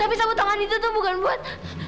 tapi sapu tangan itu tuh bukan buat